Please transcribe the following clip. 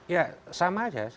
ya sama saja